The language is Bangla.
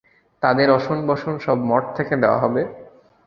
তাদের অশন-বসন সব মঠ থেকে দেওয়া হবে।